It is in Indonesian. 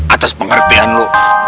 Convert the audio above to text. atas pengertian lo